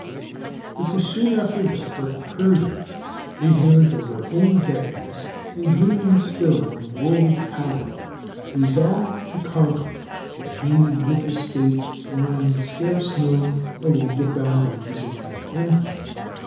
] It was soon after this that the Persians, ignorant of their own decadence, and dreaming still of world power, resolved to conquer the remaining little states lying scarce known along the boundaries of their empire.